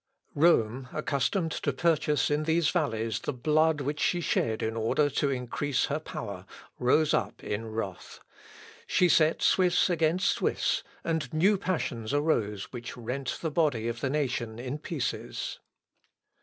Rome, accustomed to purchase in these valleys the blood which she shed in order to increase her power, rose up in wrath. She set Swiss against Swiss, and new passions arose which rent the body of the nation in pieces.